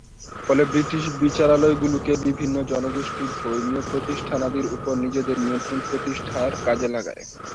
ফলে ব্রিটিশ বিচারালয়গুলোকে বিভিন্ন জনগোষ্ঠী ধর্মীয় প্রতিষ্ঠানাদির ওপর নিজেদের নিয়ন্ত্রণ প্রতিষ্ঠার কাজে লাগায়।